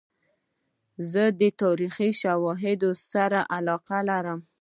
زه د تاریخي شواهدو سره علاقه لرم.